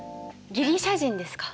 ギリシア人ですか？